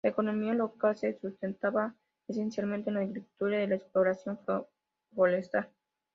La economía local se sustentaba esencialmente en la agricultura y la explotación forestal.